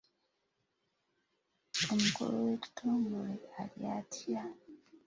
Omukulu w'ekitongole ali atya?